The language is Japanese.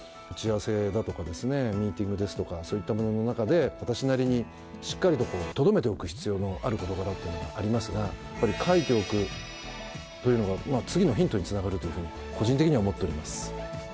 打ち合わせだとかですねミーティングですとかそういったものの中で私なりにしっかりととどめておく必要のある事柄っていうのがありますがやっぱり書いておくというのが次のヒントにつながるというふうに個人的には思っております。